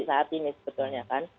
saat ini sebetulnya kan